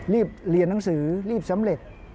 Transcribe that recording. เรียนหนังสือรีบสำเร็จ